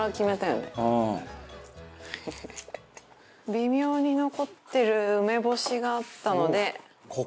微妙に残ってる梅干しがあったので。